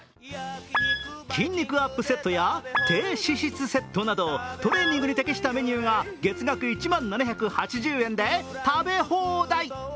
筋肉アップセットや、低脂質セットなどトレーニングに適したメニューが月額１万７８０円で食べ放題。